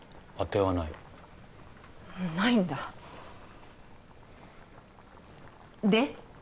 あてはないないんだで？